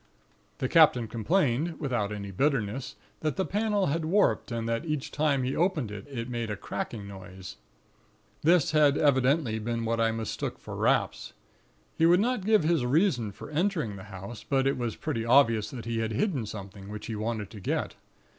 "The captain complained, without any bitterness, that the panel had warped, and that each time he opened it, it made a cracking noise. This had been evidently what I mistook for raps. He would not give his reason for entering the house; but it was pretty obvious that he had hidden something, which he wanted to get.